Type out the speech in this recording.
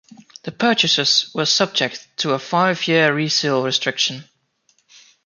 The purchases were subject to a five-year resale restriction.